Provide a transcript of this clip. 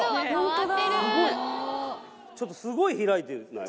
すごいちょっとすごい開いてない？